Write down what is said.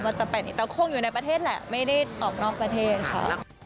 จะไปไหนแต่คงอยู่ในประเทศแหละไม่ได้ออกนอกประเทศค่ะ